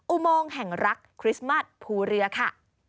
อุโมงแห่งรักคริสต์มัสภูเรือค่ะ